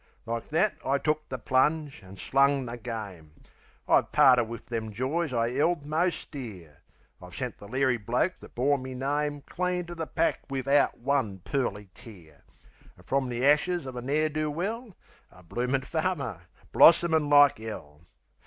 Like that I took the plunge, an' slung the game. I've parted wiv them joys I 'eld most dear; I've sent the leery bloke that bore me name Clean to the pack wivout one pearly tear; An' frum the ashes of a ne'er do well A bloomin' farmer's blossomin' like 'ell.